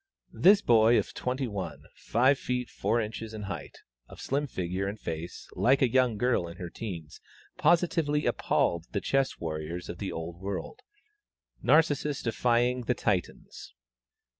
This boy of twenty one, five feet four inches in height, of slim figure, and face like a young girl in her teens, positively appalled the chess warriors of the old world Narcissus defying the Titans.